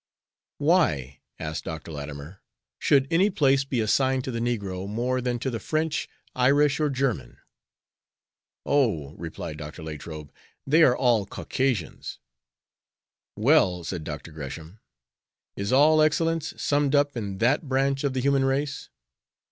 "Why," asked Dr. Latimer, "should any place be assigned to the negro more than to the French, Irish, or German?" "Oh," replied Dr. Latrobe, "they are all Caucasians." "Well," said Dr. Gresham, "is all excellence summed up in that branch of the human race?"